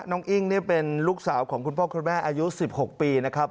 อิ้งนี่เป็นลูกสาวของคุณพ่อคุณแม่อายุ๑๖ปีนะครับ